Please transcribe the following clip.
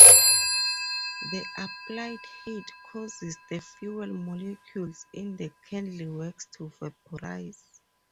The applied heat causes the fuel molecules in the candle wax to vaporize.